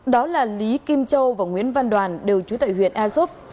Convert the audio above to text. đó là lý kim châu và nguyễn văn đoàn đều trú tại huyện a dốc